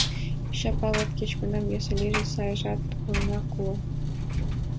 Йоча пагыт кеч-кунар йӧсӧ лийже, сайжат лыҥак уло.